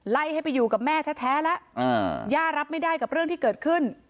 ไล่ให้ไปอยู่กับแม่แท้แล้วย่ารับไม่ได้กับเรื่องที่เกิดขึ้น